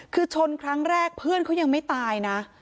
คือชนครั้งแรกเพื่อนเขายังไม่ตายนะ